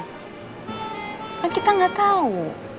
kan kita gak tau